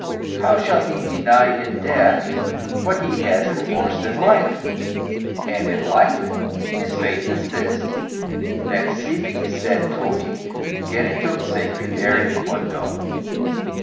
How shall he deny in death what he has enforced in life ? And in life his faith is this : Nee sibi sed toti genitum se credere mundo.